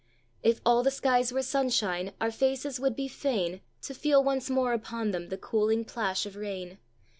"If all the skies were sunshine, Our faces would be fain To feel once more upon them The cooling plash of rain.